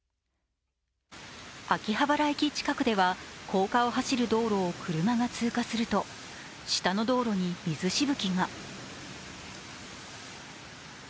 秋葉原駅近くでは、高架を走る道路を車が通過すると下の道路に水しぶきが。